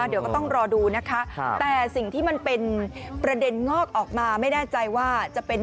เดี๋ยวก็ต้องรอดูนะคะแต่สิ่งที่มันเป็นประเด็นงอกออกมาไม่แน่ใจว่าจะเป็น